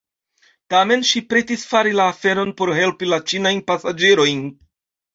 Tamen ŝi pretis fari la aferon por helpi la ĉinajn pasaĝerojn.